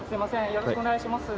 よろしくお願いします。